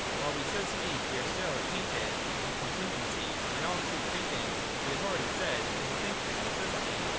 While we so speak, we are still tainted with contingency : and all true thinking, we have already said, is a thinking of necessity.